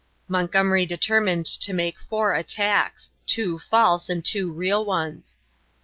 Montgomery determined to make four attacks two false and two real ones.